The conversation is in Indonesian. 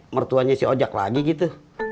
mertuanya si ojak lagi gitu